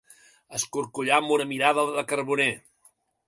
Escorcollar amb una mirada de carboner.